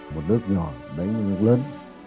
một nước nhỏ đánh một nước lớn